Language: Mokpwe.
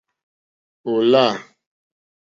Ò lâ.